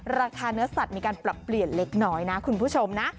ราคาเนื้อสัตว์มีการปรับเปลี่ยนเล็กน้อยนะคุณผู้ชมนะ